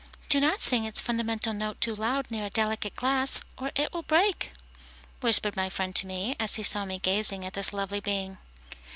"Do not sing its fundamental note too loud near a delicate glass, or it will break," whispered my friend to me, as he saw me gazing at this lovely being.